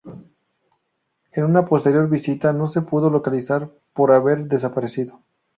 En una posterior visita no se pudo localizar, por haber desaparecido.